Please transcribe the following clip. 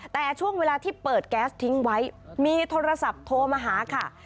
แต่ช่วงเวลาที่เปิดแก๊สทิ้งไว้มีโทรศัพท์โทรมาหาค่ะ